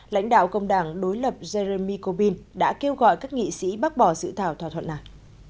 lãnh đạo công đảng đối lập jeremy corbyn đã kêu gọi các nghị sĩ bác bỏ dự thảo thỏa thuận này